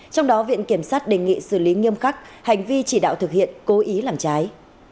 trong đó viện kiểm sát đề nghị xử lý nghiêm khắc hành vi chỉ đạo thực hiện cố ý làm trái